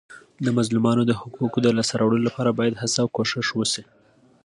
د مظلومانو د حقوقو د لاسته راوړلو لپاره باید هڅه او کوښښ وسي.